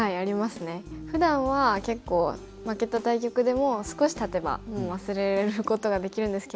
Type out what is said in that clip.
ふだんは結構負けた対局でも少したてばもう忘れることができるんですけど。